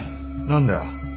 何だよ？